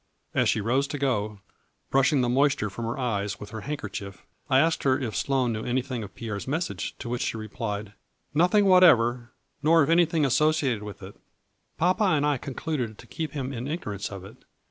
As she rose to go, brushing the moisture from her eyes with her handkerchief, I asked her if Sloane knew anything of Pierre's message, to which she replied :" Nothing whatever, nor of anything associ ated with it. Papa and I concluded to keep him in ignorance of it.